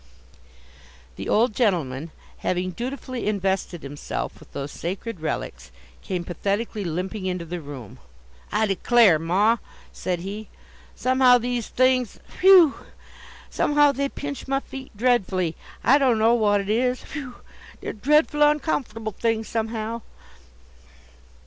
The old gentleman, having dutifully invested himself, with those sacred relics, came pathetically limping into the room. "I declare, ma," said he; "somehow these things phew! Somehow they pinch my feet dreadfully. I don't know what it is, phew! They're dreadful oncomf'table things somehow."